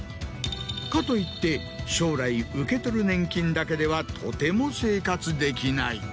かといって将来受け取る年金だけではとても生活できない。